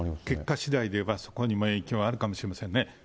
結果しだいでは、そこにも影響があるかもしれませんね。